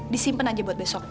disimpen aja buat besok